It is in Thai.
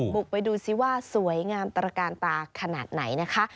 บุกไปดูซิว่าสวยงามตระกาลตาขนาดไหนนะคะ